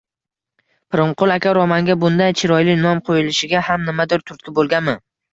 Pirimqul aka, romanga bunday chiroyli nom qo`yilishiga ham nimadir turtki bo`lganmi